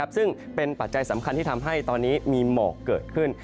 ซึ่งเป็นปัจจัยสำคัญที่ทำให้ตอนนี้มีหมอกเกิดขึ้น